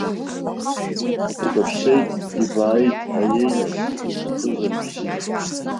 Икаԥсеит, ибааит, аиеи, нас, иуҭахызар иԥсит.